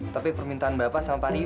tapi permintaan bapak sama pak rio